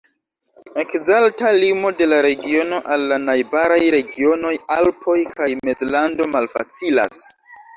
Ekzakta limo de la regiono al la najbaraj regionoj Alpoj kaj Mezlando malfacilas.